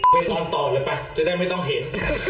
ตอนต่อเลยป่ะจะได้ไม่ต้องเห็น